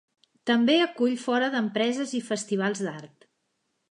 També acull fora d'empreses i festivals d'art.